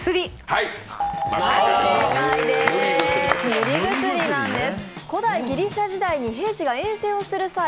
塗り薬なんです。